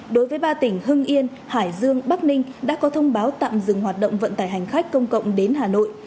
đối với ba tỉnh hưng yên hải dương bắc ninh đã có thông báo tạm dừng hoạt động vận tải hành khách công cộng đến hà nội